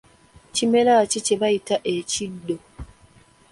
Kimera ki kye bayita ekiddo?